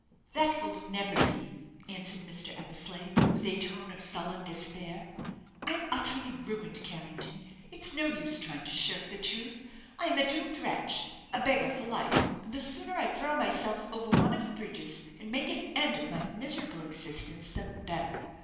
"That will never be," answered Mr. Eversleigh, with a tone of sullen despair. "I am utterly ruined, Carrington. It's no use trying to shirk the truth. I am a doomed wretch, a beggar for life, and the sooner I throw myself over one of the bridges, and make an end of my miserable existence, the better.